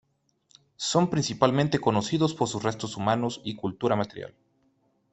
Son principalmente conocidos por sus restos humanos y cultura material.